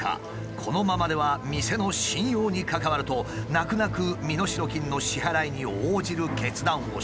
このままでは店の信用に関わると泣く泣く身代金の支払いに応じる決断をした。